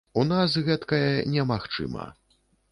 У нас гэткае немагчыма.